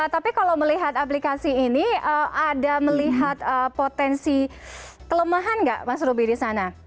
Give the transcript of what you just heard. tapi kalau melihat aplikasi ini ada melihat potensi kelemahan nggak mas ruby di sana